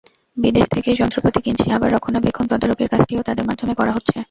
বিদেশ থেকেই যন্ত্রপাতি কিনছি, আবার রক্ষণাবেক্ষণ তদারকির কাজটিও তাদের মাধ্যমে করা হচ্ছে।